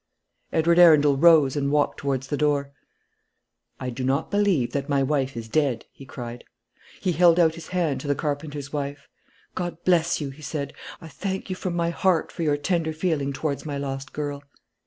Edward Arundel rose and walked towards the door. "I do not believe that my wife is dead," he cried. He held out his hand to the carpenter's wife. "God bless you!" he said. "I thank you from my heart for your tender feeling towards my lost girl."